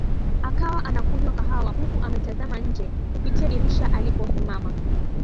Akawa anakunywa kahawa huku ametazama nje kupitia dirisha aliposimama